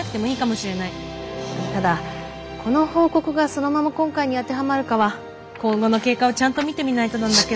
ただこの報告がそのまま今回に当てはまるかは今後の経過をちゃんと見てみないとなんだけど。